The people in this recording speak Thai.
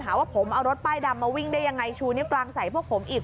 ว่าผมเอารถป้ายดำมาวิ่งได้ยังไงชูนิ้วกลางใส่พวกผมอีก